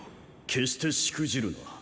決してしくじるな。